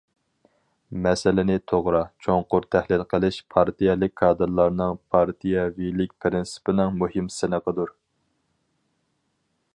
مەسىلىنى توغرا، چوڭقۇر تەھلىل قىلىش پارتىيەلىك كادىرلارنىڭ پارتىيەۋىلىك پىرىنسىپىنىڭ مۇھىم سىنىقىدۇر.